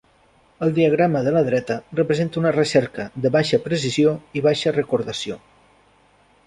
El diagrama de la dreta representa una recerca de baixa precisió i baixa recordació.